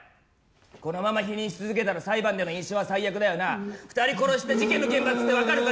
このまま否認し続けたら裁判での印象は最悪だよな２人殺した事件の厳罰ってわかるか？